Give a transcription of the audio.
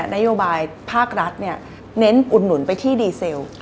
นโยบายภาครัฐเน้นอุดหนุนไปที่ดีเซล